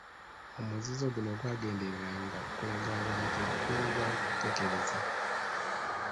Omuzizo guno gwagendereranga kulaga bantu bukulu bwa kukekkereza.